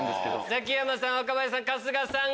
ザキヤマさん若林さん